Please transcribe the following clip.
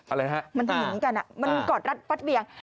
อะไรฮะมันทำอย่างนี้กันมันกอดรัดฟัดเวียง